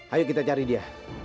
ayo kita cari dia